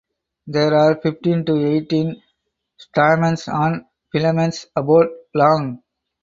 There are fifteen to eighteen stamens on filaments about long.